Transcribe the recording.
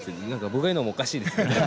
僕が言うのもおかしいですね。